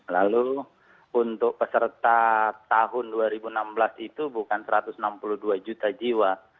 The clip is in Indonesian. lalu untuk peserta tahun dua ribu enam belas itu bukan satu ratus enam puluh dua juta jiwa